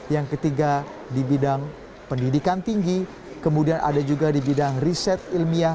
yang ketiga di bidang pendidikan tinggi kemudian ada juga di bidang riset ilmiah